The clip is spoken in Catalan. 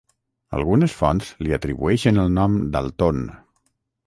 Algunes fonts li atribueixen el nom d'Alton.